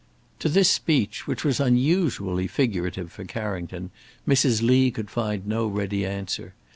To this speech, which was unusually figurative for Carrington, Mrs. Lee could find no ready answer.